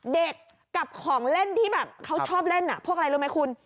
เด็กกับของเล่นที่แบบเขาชอบเล่นพวกอะไรรู้ไหมคุณ